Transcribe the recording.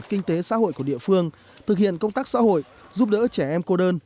kinh tế xã hội của địa phương thực hiện công tác xã hội giúp đỡ trẻ em cô đơn